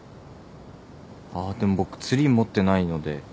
あーでも僕ツリー持ってないので。